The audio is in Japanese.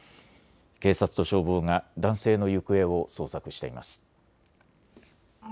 警察と消防が男性の行方を捜索しています。